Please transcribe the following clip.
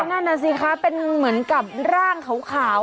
นั่นน่ะสิคะเป็นเหมือนกับร่างขาว